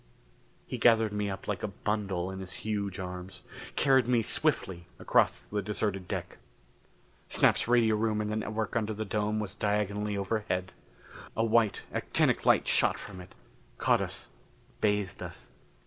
He gathered me up like a bundle in his huge arms; carried me swiftly across the deserted deck. Snap's radio room in the network under the dome was diagonally overhead. A white actinic light shot from it caught us, bathed us.